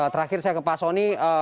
terakhir saya ke pak soni